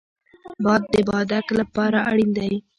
باد د بادک لپاره اړین دی